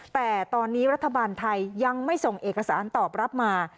แต่ตอนนี้รัฐบาลไทยยังไม่ส่งเอกสารตอบรับมา